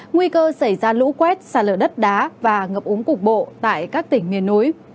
nguy cơ xảy ra lũ quét xa lở đất đá và ngập úng cục bộ tại các tỉnh miền núi